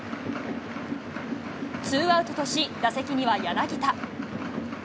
ツーアウトとし、打席には柳田。